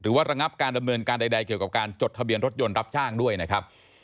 ระงับการดำเนินการใดเกี่ยวกับการจดทะเบียนรถยนต์รับจ้างด้วยนะครับ